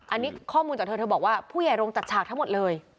อันนี้ข้อมูลจากเธอเธอบอกว่าผู้ใหญ่โรงจัดฉากทั้งหมดเลย